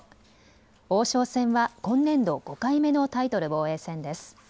王将戦は今年度５回目のタイトル防衛戦です。